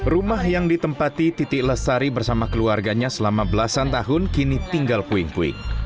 rumah yang ditempati titik lesari bersama keluarganya selama belasan tahun kini tinggal puing puing